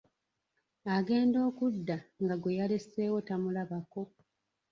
Agenda okudda nga gweyaleseewo tamulabako!